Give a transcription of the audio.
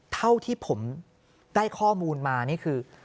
เท่าที่ผมได้ข้อมูลมานี่คือ